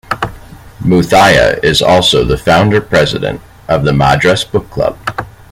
Muthiah is also the founder-President of the Madras Book Club.